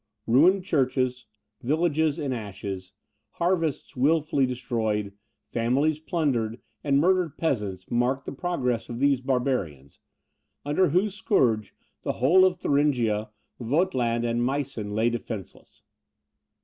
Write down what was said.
Ruined churches, villages in ashes, harvests wilfully destroyed, families plundered, and murdered peasants, marked the progress of these barbarians, under whose scourge the whole of Thuringia, Vogtland, and Meissen, lay defenceless.